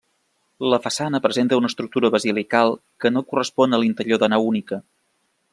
La façana presenta una estructura basilical que no correspon a l'interior de nau única.